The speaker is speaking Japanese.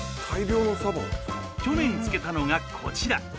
去年漬けたのがこちら。